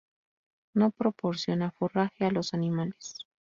No proporciona forraje a los animales.